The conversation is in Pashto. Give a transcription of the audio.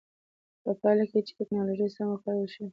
په پایله کې چې ټکنالوژي سمه وکارول شي، وخت به ضایع نه شي.